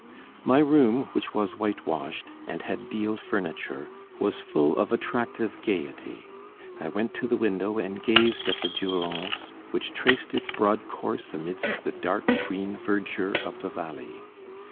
My room, which was whitewashed, and had deal furniture, was full of attractive gaiety. I went to the window and gazed at the Durance, which traced its broad course amidst the dark green verdure of the valley.